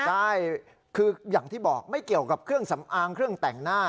ใช่คืออย่างที่บอกไม่เกี่ยวกับเครื่องสำอางเครื่องแต่งหน้า